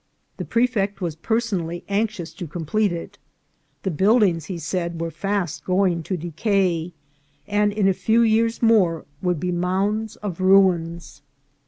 The prefect was personally anxious to com plete it. The buildings, he said, were fast going to de cay, and in a few years more would be mounds of ru 32 364 INCIDENTS OF TRAVEL. ins.